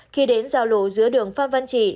khi đến giao lộ giữa đường phan văn trị